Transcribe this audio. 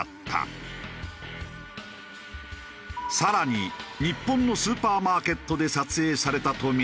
更に日本のスーパーマーケットで撮影されたとみられる映像。